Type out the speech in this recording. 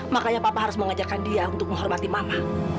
makanya papa harus mengajarkan dia untuk menghormati mama